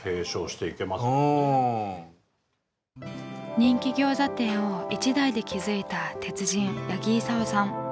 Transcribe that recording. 人気餃子店を一代で築いた鉄人八木功さん。